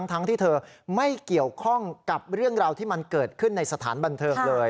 ทั้งที่เธอไม่เกี่ยวข้องกับเรื่องราวที่มันเกิดขึ้นในสถานบันเทิงเลย